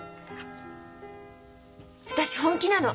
私本気なの。